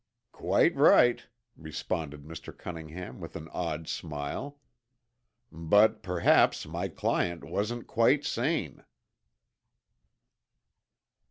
"Quite right," responded Mr. Cunningham with an odd smile. "But perhaps my client wasn't quite sane."